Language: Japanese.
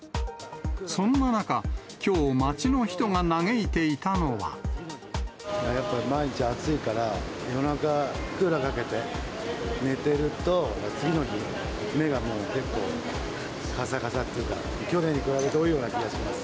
そんな中、きょう、やっぱ毎日暑いから、夜中、クーラーかけて寝てると、次の日、目がもう結構、かさかさっていうか、去年に比べて多いような気がします。